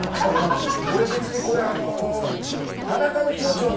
俺別にこれあの。